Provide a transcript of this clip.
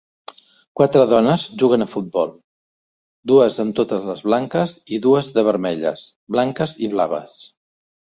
Quatre dones juguen a futbol, dues amb totes les blanques i dues de vermelles, blanques i blaves.